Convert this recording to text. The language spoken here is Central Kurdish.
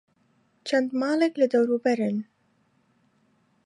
چەند ماڵێک لە دەوروبەرن.